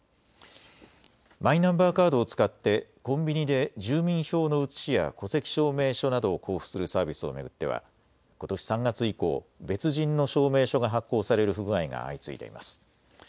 マイナンバーカードを使ってコンビニで住民票の写しや戸籍証明書などを交付するサービスを芽句ってはことし３月以降、別人の証明書が発行される不具合が相次いでいます。